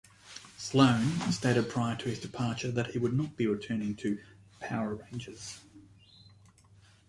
Sloan stated prior to his departure he would not be returning to "Power Rangers".